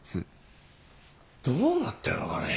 どうなってるのかね。